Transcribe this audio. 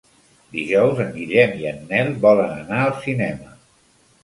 Dijous en Guillem i en Nel volen anar al cinema.